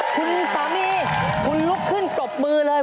คุณสามีคุณลุกขึ้นปรบมือเลย